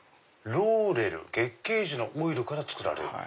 「ローレル月桂樹のオイルから作られる」。